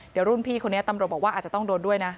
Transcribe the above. เดี๋ยวรุ่นพี่คนนี้ตำรวจบอกว่าอาจจะต้องโดนด้วยนะ